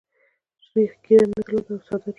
شیخ ږیره نه درلوده او ساده روی وو.